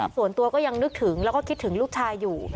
ส่วนตัวก็ยังนึกถึงแล้วก็คิดถึงลูกชายอยู่